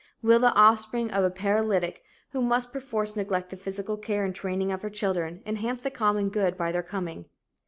Will the offspring of a paralytic, who must perforce neglect the physical care and training of her children, enhance the common good by their coming?